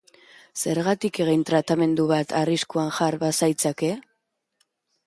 Zergatik egin tratamendu bat, arriskuan jar bazaitzake?